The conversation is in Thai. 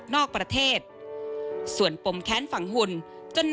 ไม่ได้ตั้งใจ